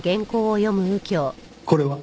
これは？